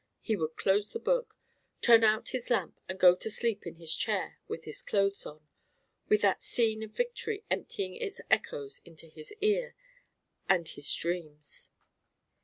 he would close the book, turn out his lamp, and go to sleep in his chair with his clothes on with that scene of victory emptying its echoes into his ear and his dreams.